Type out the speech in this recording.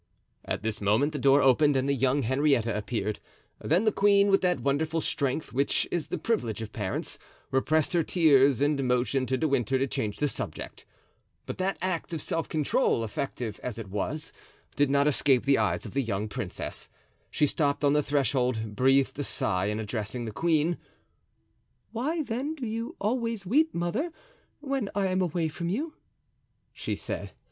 At this moment the door opened and the young Henrietta appeared; then the queen, with that wonderful strength which is the privilege of parents, repressed her tears and motioned to De Winter to change the subject. But that act of self control, effective as it was, did not escape the eyes of the young princess. She stopped on the threshold, breathed a sigh, and addressing the queen: "Why, then, do you always weep, mother, when I am away from you?" she said.